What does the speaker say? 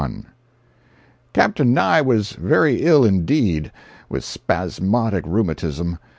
Captain Nye was very ill indeed, with spasmodic rheumatism.